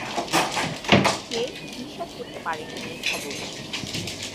চে বিশ্বাস করতে পারেন নি এই খবর।